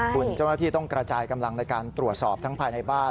คุณเจ้าหน้าที่ต้องกระจายกำลังในการตรวจสอบทั้งภายในบ้าน